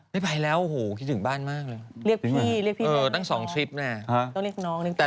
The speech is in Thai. ไม่ไปแล้วโห้คิดถึงบ้านมากเลย